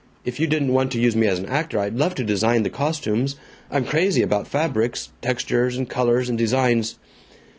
If you didn't want to use me as an actor, I'd love to design the costumes. I'm crazy about fabrics textures and colors and designs."